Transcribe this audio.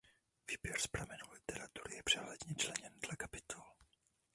Výběr z pramenů literatury je přehledně členěn dle kapitol.